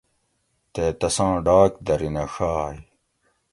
تے تساں ڈاک درینہ ڛاگ